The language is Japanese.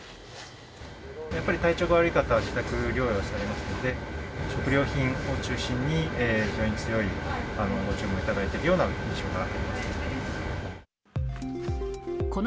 やっぱり体調が悪い方は自宅療養されますので、食料品を中心に、非常に強いご注文をいただいているような印象がありますね。